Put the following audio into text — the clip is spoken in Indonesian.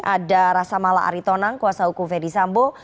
ada rasa mala aritonang kuasa hukum ferdis sambo